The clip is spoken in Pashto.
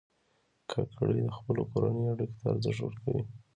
کاکړي د خپلو کورنیو اړیکو ته ارزښت ورکوي.